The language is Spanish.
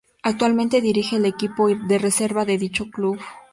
Actualmente dirige al equipo de reserva de dicho club.